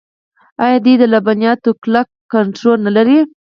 آیا دوی د لبنیاتو کلک کنټرول نلري؟